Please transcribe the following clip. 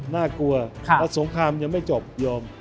น่ากลัวและสงครามยังไม่จบโยม